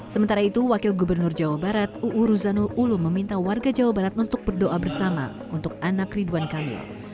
sementara itu wakil gubernur jawa barat uu ruzanul ulum meminta warga jawa barat untuk berdoa bersama untuk anak ridwan kamil